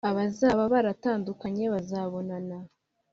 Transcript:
Abazaba baratandukanye bazabonana,